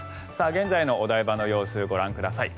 現在のお台場の様子ご覧ください。